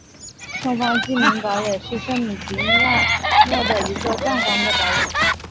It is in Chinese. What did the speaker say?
圣方济各堡垒是圣吉米尼亚诺的一座壮观的堡垒。